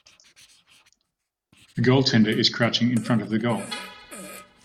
The goaltender is crouching in front of the goal.